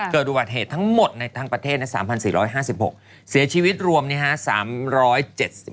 เกิดอุบัติเหตุทั้งหมดในทั้งประเทศใน๓๔๕๖เสียชีวิตรวม